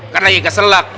karena ini keselak